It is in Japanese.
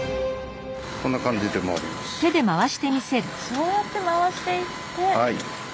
あそうやって回していって。